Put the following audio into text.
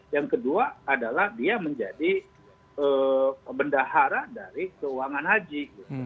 yang kedua adalah dia menjadi bendahara dari keuangan haji